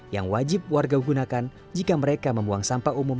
yang wajib warga gunakan jika mereka membuang sampah umum